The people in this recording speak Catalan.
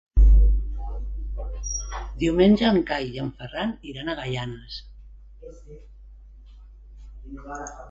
Diumenge en Cai i en Ferran iran a Gaianes.